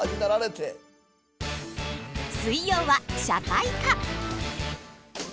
水曜は社会科。